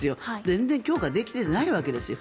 全然強化できてないわけですよ。